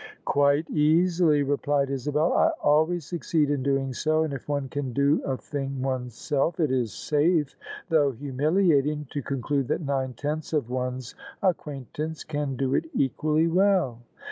" Quite easily," replied Isabel. " I always succeed in doing so : and if one can do a thing oneself, it is safe — thou^ humiliating — to conclude that nine tenths of one's acquain tance can do it equally well."